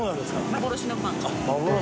「幻のパン」┐